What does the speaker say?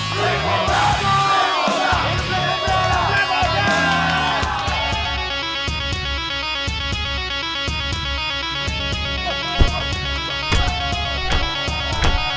lihat mama harus percaya sama boy